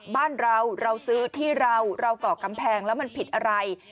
บ้านเราเราซื้อที่เราเราเกาะกำแพงแล้วมันผิดอะไร